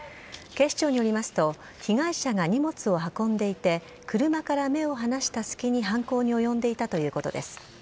警視庁によりますと、被害者が荷物を運んでいて、車から目を離したすきに犯行に及んでいたということです。